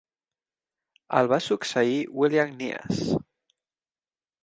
El va succeir William Kneass.